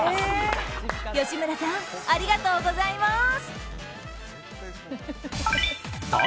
吉村さんありがとうございます！